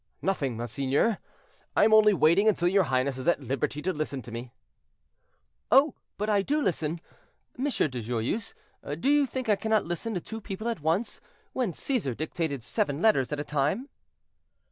"Nothing, monseigneur; I am only waiting until your highness is at liberty to listen to me." "Oh! but I do listen, M. de Joyeuse. Do you think I cannot listen to two people at once, when Cæsar dictated seven letters at a time?"